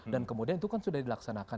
dan kemudian itu kan sudah dilaksanakan